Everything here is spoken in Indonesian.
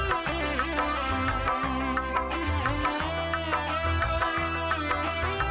pok belanja lah pok